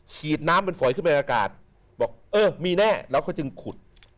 ฉีดน้ำเป็นฝอยขึ้นไปอากาศบอกเออมีแน่แล้วเขาจึงขุด